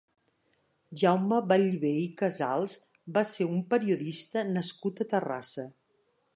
Jaume Ballber i Casals va ser un periodista nascut a Terrassa.